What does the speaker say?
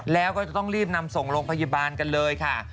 แล้วก็จะต้องรีบนำส่งโรงพยาบาลกันเลยค่ะ